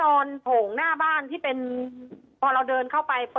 ตอนที่จะไปอยู่โรงเรียนนี้แปลว่าเรียนจบมไหนคะ